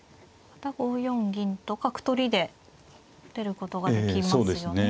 また５四銀と角取りで出ることができますよね。